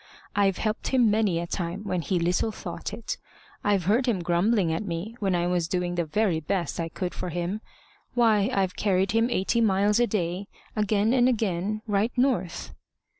I've helped him many a time when he little thought it. I've heard him grumbling at me, when I was doing the very best I could for him. Why, I've carried him eighty miles a day, again and again, right north."